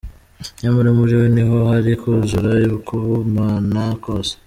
Nyamara muri we ni ho hari kuzura k’Ubumana kose